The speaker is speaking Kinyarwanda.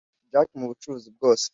jack mu bucuruzi bwose,